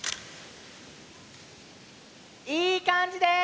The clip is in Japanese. いいかんじです！